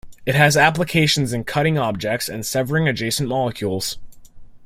It has applications in cutting objects and severing adjacent molecules.